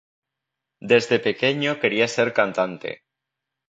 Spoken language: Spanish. Desde pequeño quería ser cantante.